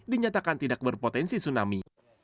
dinyatakan tidak berpotensi tsunami